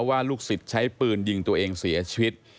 ลูกศิษย์ใช้ปืนยิงตัวเองเสียชีวิต